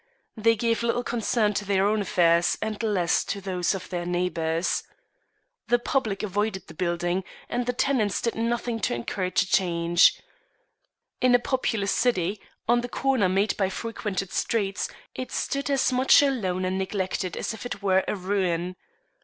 They gave little concern to their own affairs and less to those of their neighbors. The public avoided the building, and the tenants did nothing to encourage a change. In a populous city, on the corner made by frequented streets, it stood as much alone and neglected as if it were a ruin.